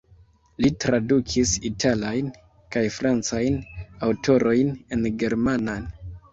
Li tradukis italajn kaj francajn aŭtorojn en germanan.